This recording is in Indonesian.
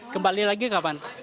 kembali lagi kapan